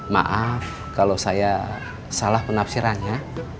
maaf kalau saya salah penafsirannya